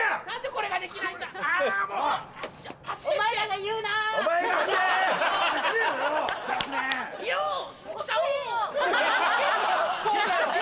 こうだよ！